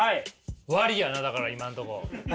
割やなだから今んとこ。